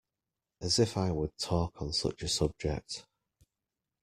As if I would talk on such a subject!